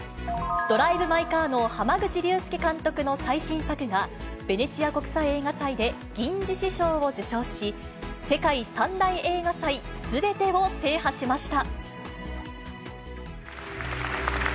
ドライブ・マイ・カーの濱口竜介監督の最新作が、ベネチア国際映画祭で銀獅子賞を受賞し、世界３大映画祭すべてを制覇しました。